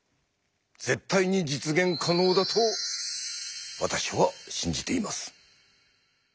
絶対に実現可能だと私は信じています。